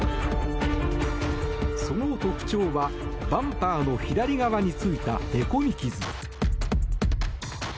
その特徴はバンパーの左側についたへこみ傷。